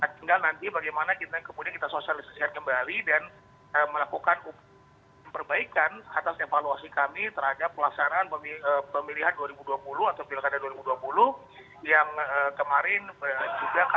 tinggal nanti bagaimana kita kemudian kita sosialisasikan kembali dan melakukan perbaikan atas evaluasi kami terhadap pelaksanaan pemilihan dua ribu dua puluh atau pilkada dua ribu dua puluh yang kemarin juga